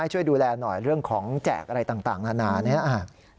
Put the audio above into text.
ช่วยดูแลหน่อยเรื่องของแจกอะไรต่างนานาเนี่ย